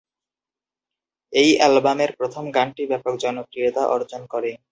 এই অ্যালবামের প্রথম গানটি ব্যপক জনপ্রিয়তা অর্জন করে।